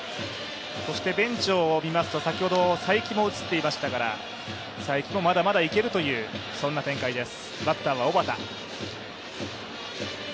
ベンチを見ますと、先ほど才木も映っていましたから、才木もまだまだいけるというそんな展開です。